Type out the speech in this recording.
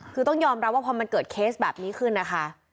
คือต้องยอมรับว่าพอมันเกิดเคสแบบนี้ขึ้นนะคะ